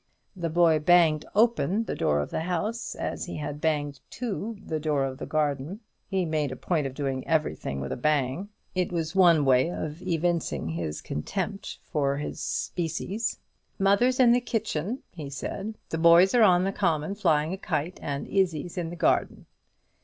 The boy banged open the door of the house, as he had banged to the door of the garden. He made a point of doing every thing with a bang; it was one way of evincing his contempt for his species. "Mother's in the kitchen," he said; "the boys are on the common flying a kite, and Izzie's in the garden."